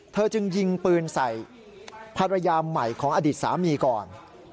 จึงยิงปืนใส่ภรรยาใหม่ของอดีตสามีก่อน